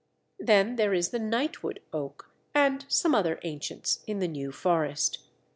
Then there is the Knightwood Oak and some other ancients in the New Forest.